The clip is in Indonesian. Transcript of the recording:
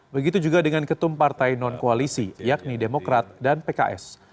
begitu juga dengan ketum partai non koalisi yakni demokrat dan pks